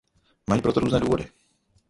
Mají pro to různé důvody.